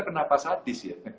kenapa sadis ya